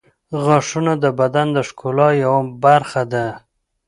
• غاښونه د بدن د ښکلا یوه برخه ده.